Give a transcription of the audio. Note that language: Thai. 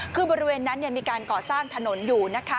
คือบริเวณนั้นมีการก่อสร้างถนนอยู่นะคะ